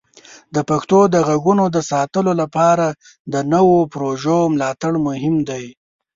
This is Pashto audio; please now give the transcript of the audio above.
د پښتو د غږونو د ساتلو لپاره د نوو پروژو ملاتړ مهم دی.